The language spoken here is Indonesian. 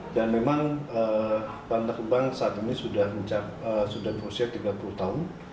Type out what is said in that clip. dan memang bantar gebang saat ini sudah proses tiga puluh tahun